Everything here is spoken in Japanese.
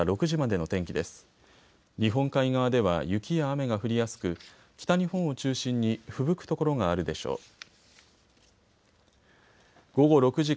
日本海側では雪や雨が降りやすく北日本を中心にふぶくところがあるでしょう。